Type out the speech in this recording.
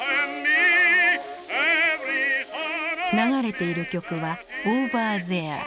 流れている曲は「オーバーゼア」。